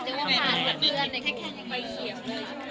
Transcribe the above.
แค่ไฟเขียวเลย